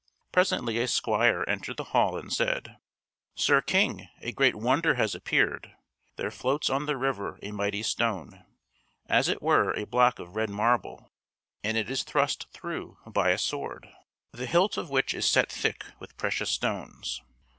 Presently a squire entered the hall and said: "Sir King, a great wonder has appeared. There floats on the river a mighty stone, as it were a block of red marble, and it is thrust through by a sword, the hilt of which is set thick with precious stones."